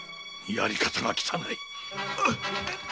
やり方が汚い！